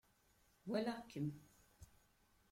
Walaɣ-kem.